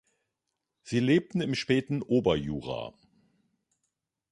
Sie lebten im späten Oberjura.